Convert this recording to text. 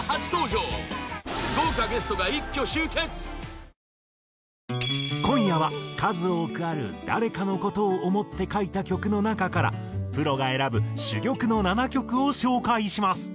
⁉ＬＧ２１今夜は数多くある誰かの事を想って書いた曲の中からプロが選ぶ珠玉の７曲を紹介します。